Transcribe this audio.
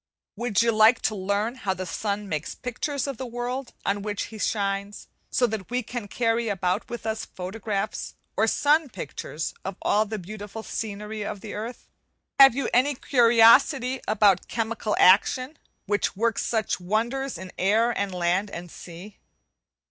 Would you like to learn how the sun makes pictures of the world on which he shines, so that we can carry about with us photographs or sun pictures of all the beautiful scenery of the earth? And have you any curiosity about 'Chemical action,' which works such wonders in air, and land, and sea?